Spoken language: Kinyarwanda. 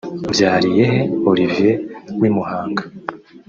Mbyariyehe Olivier w’i Muhanga ……